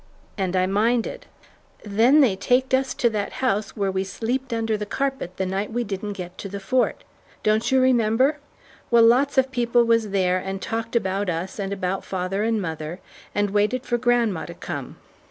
And I minded. "Then they taked us to that house where we sleeped under the carpet the night we didn't get to the Fort. Don't you remember? Well, lots of people was there and talked about us and about father and mother, and waited for grandma to come.